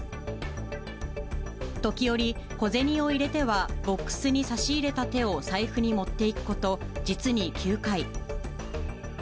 時折、小銭を入れてはボックスに差し入れた手を財布に持っていくこと実に９回。